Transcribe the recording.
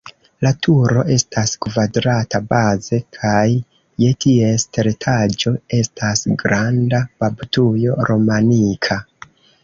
La turo estas kvadrata baze kaj je ties teretaĝo estas granda baptujo romanika.